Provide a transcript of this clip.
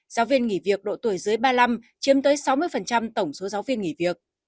giáo viên nghỉ việc độ tuổi dưới ba mươi năm chiếm tới sáu mươi tổng số giáo viên nghỉ việc